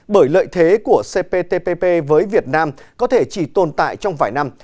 bởi lợi thế của cptpp với việt nam có thể chỉ tồn tại trong vài năm